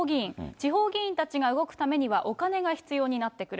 地方議員たちが動くためにはお金が必要になってくる。